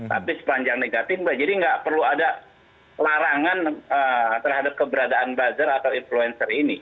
tapi sepanjang negatif jadi nggak perlu ada larangan terhadap keberadaan buzzer atau influencer ini